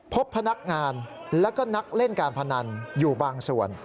พบพนักงานแล้วก็นักเล่นการพนันอยู่บางส่วน